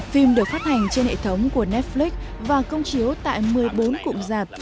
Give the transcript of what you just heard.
phim được phát hành trên hệ thống của netflix và công chiếu tại một mươi bốn cụm giạp